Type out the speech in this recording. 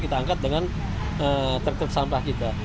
kita angkat dengan tertib sampah kita